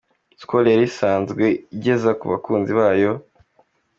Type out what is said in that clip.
Skol yari isanzwe igeza ku bakunzi bayo.